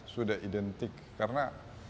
sudah identik karena